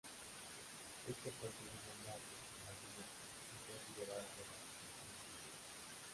Este fue el segundo Merrie Melodies en ser liberado de la retención y censura.